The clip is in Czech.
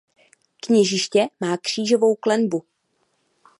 Kněžiště má křížovou klenbu.